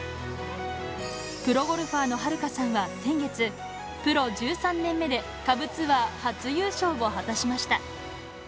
プロゴルファーの遥加さんは先月、プロ１３年目で下部ツアー初優勝を果たしました。